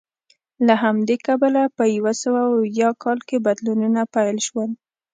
له همدې کبله په یو سوه یو اویا کال کې بدلونونه پیل شول